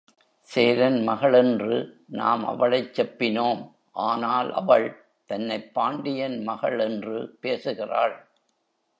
சேரன் மகள் என்று நாம் அவளைச் செப்பினோம் ஆனால் அவள் தன்னைப் பாண்டியன் மகள் என்று பேசுகிறாள்.